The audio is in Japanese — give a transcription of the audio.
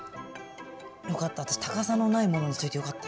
よかった私高さのないものにしといてよかった。